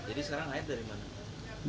jadi sekarang air dari mana